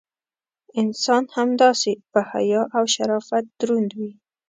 انسان همداسې: په حیا او شرافت دروند وي.